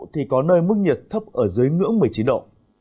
thì có nơi mức nhiệt thấp ở dưới ngưỡng một mươi chín độ